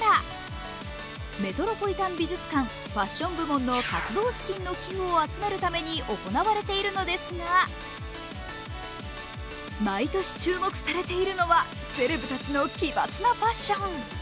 メトロポリタン美術館ファッション部門の活動資金の寄付を集めるために行われているのですが、毎年注目されているのはセレブたちの奇抜なファッション。